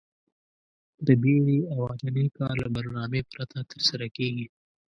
د بيړې او عجلې کار له برنامې پرته ترسره کېږي.